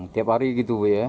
tiap hari begitu bu ya